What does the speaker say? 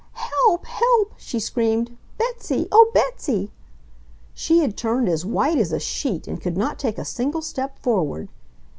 "Help! HELP!" she screamed. "Betsy! Oh, Betsy!" She had turned as white as a sheet and could not take a single step forward.